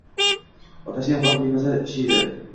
Otasiyam g`irt bemaza kishi edi